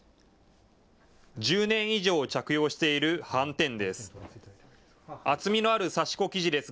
１０年以上、着用しているはんてんです。